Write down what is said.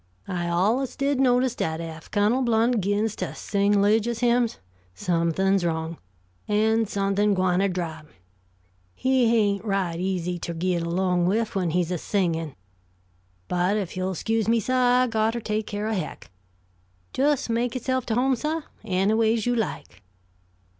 I allus did notice dat ef Cunnel Blount 'gins to sing 'ligious hymns, somethin's wrong, and somethin' gwine ter drap. He hain't right easy ter git 'long wif when he's a singin'. But if you'll 'scuse me, suh, I got ter take care o' Hec. Jest make yourself to home, suh, anyways you like."